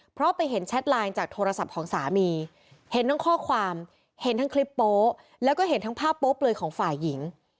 เพราะไปเห็นแชทไลน์จากโทรศัพท์ของสามีเห็นทั้งข้อความเห็นทั้งคลิปโป๊ะแล้วก็เห็นทั้งภาพโป๊ะเลยของฝ่ายหญิง